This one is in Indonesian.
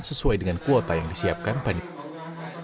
sesuai dengan kuota yang disiapkan panitia